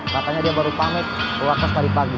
katanya dia baru pamit keluar kos tadi pagi